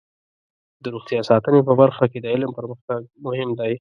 د روغتیا ساتنې په برخه کې د علم پرمختګ مهم دی.